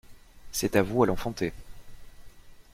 C'est à vous à l'enfanter.